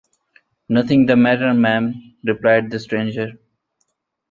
‘Nothing the matter, ma’am,’ replied the stranger.